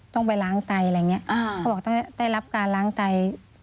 ต้องไปล้างไตอะไรอย่างนี้เขาบอกต้องได้รับการล้างไต